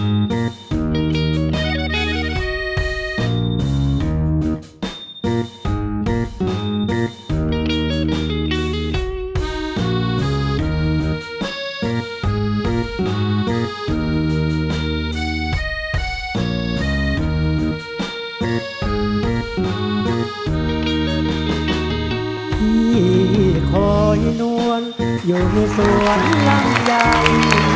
อีขอให้น้วนอยู่ในสวนหลั่งยัง